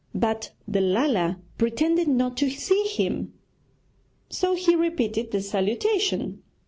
But the Lala pretended not to see him. So he repeated the salutation.